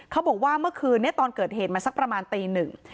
เขาบอกว่าเมื่อคืนนี้ตอนเกิดเหตุมันสักประมาณตีหนึ่ง